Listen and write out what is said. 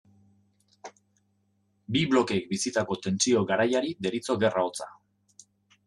Bi blokeek bizitako tentsio garaiari deritzo Gerra hotza.